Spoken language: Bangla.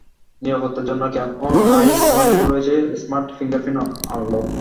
নিরাপত্তার জন্য ক্যামন আই স্মার্টফোনে রয়েছে স্মার্ট ফিঙ্গারপ্রিন্ট আনলক।